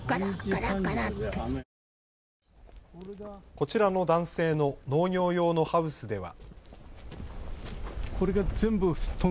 こちらの男性の農業用のハウスでは。